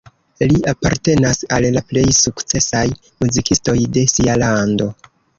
Li apartenas al la plej sukcesaj muzikistoj de sia lando.